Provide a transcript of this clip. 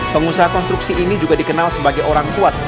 pengusaha konstruksi ini juga dikenal sebagai orang tua